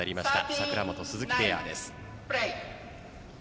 櫻本・鈴木ペアです。